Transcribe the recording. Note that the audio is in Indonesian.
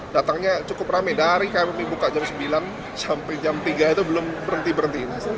datangnya cukup rame dari kami buka jam sembilan sampai jam tiga itu belum berhenti berhenti